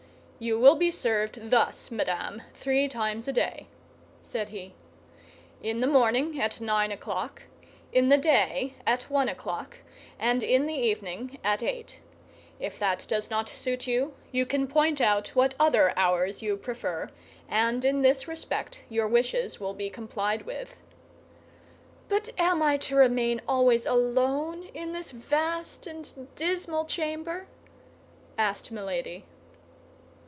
"You will be served, thus, madame, three times a day," said he. "In the morning at nine o'clock, in the day at one o'clock, and in the evening at eight. If that does not suit you, you can point out what other hours you prefer, and in this respect your wishes will be complied with." "But am I to remain always alone in this vast and dismal chamber?" asked Milady.